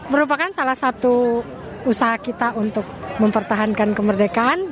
merupakan salah satu usaha kita untuk mempertahankan kemerdekaan